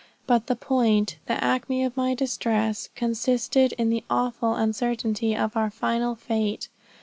But the point, the acme of my distress, consisted in the awful uncertainty of our final fate.